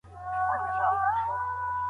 پوهه تر پيسو مهمه ده.